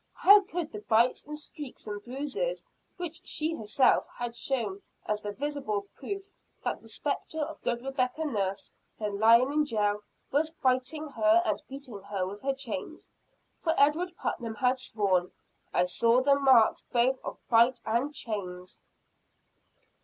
How about the bites and streaks and bruises which she herself had shown as the visible proof that the spectre of good Rebecca Nurse, then lying in jail, was biting her and beating her with her chains? For Edward Putnam had sworn: "I saw the marks both of bite and chains."